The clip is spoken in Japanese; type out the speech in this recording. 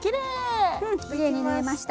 うんきれいに縫えました。